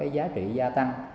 giá trị gia tăng